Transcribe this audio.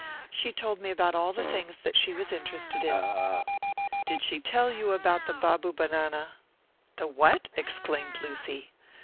"She told me about all the things that she was interested in." "Did she tell you about the Babubanana?" "The what?" exclaimed Lucy.